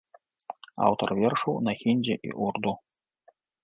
Аўтар вершаў на хіндзі і урду.